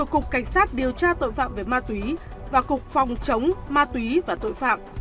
cục cảnh sát điều tra tội phạm về ma túy và cục phòng chống ma túy và tội phạm